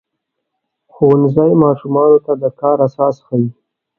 ښوونځی ماشومانو ته د کار اساس ښيي.